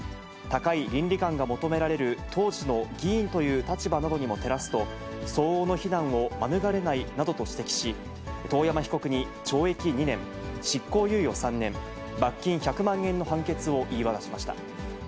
高い倫理観が求められる当時の議員という立場などにも照らすと、相応の非難を免れないなどと指摘し、遠山被告に懲役２年執行猶予３年罰金１００万円の判決を言い渡しました。